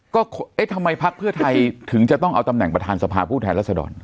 ก็เอ๊ะทำไมพักเพื่อไทยถึงจะต้องเอาตำแหน่งประธานสภาผู้แทนรัศดร